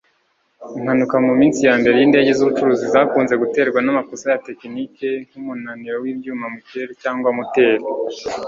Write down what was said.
Impanuka muminsi yambere yindege zubucuruzi zakunze guterwa namakosa ya tekiniki nkumunaniro wibyuma mukirere cyangwa moteri